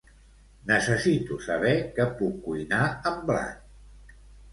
Necessito saber què puc cuinar amb blat.